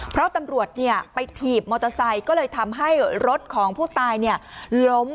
เพราะตำรวจไปถีบมอเตอร์ไซค์ก็เลยทำให้รถของผู้ตายล้ม